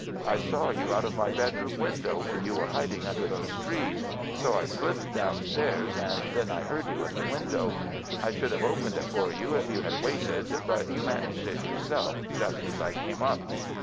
"I saw you out of my bedroom window when you were hiding under those trees, so I slipped downstairs, and then I heard you at the window. I should have opened it for you if you had waited, but you managed it yourself just as I came up."